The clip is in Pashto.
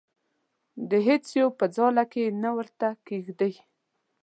د هیڅ یو په ځاله کې یې نه ورته کېږدي.